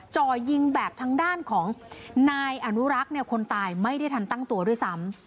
จ่อยิงแบบทางด้านของนายอนุรักษ์เนี่ยคนตายไม่ได้ทันตั้งตัวด้วยซ้ำ